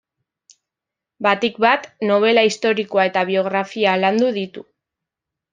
Batik bat, nobela historikoa eta biografia landu ditu.